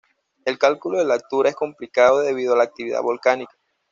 El cálculo de la altura es complicado debido a la actividad volcánica.